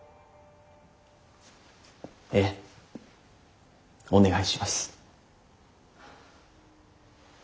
ええお願いします。